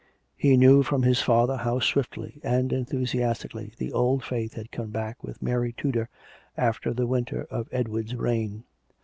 He knew from his father how swiftly and enthusiastically the old Faith had come back with Mary Tudor after the winter of Edward's reign.